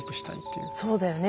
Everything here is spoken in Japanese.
そうだよね。